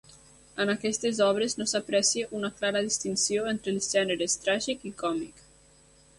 En aquestes obres no s'aprecia una clara distinció entre els gèneres tràgic i còmic.